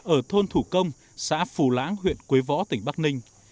ở thôn thủ công xã phù lãng huyện quế võ tỉnh bắc ninh